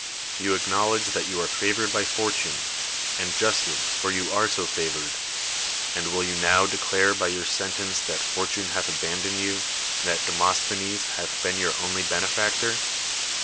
You acknowl edge that you are favored by fortune; ami justly, for you are so favored; and will you now de clare by your sentence that fortune hath aban doned you ; that Demosthenes hath been your only benefactor?